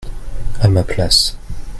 à ma place.